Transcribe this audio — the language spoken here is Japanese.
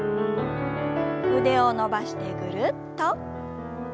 腕を伸ばしてぐるっと。